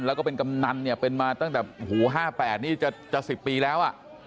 แล้วก็เป็นกำนันเนี่ยเป็นมาตั้งแต่หู๕๘นี่จะ๑๐ปีแล้ว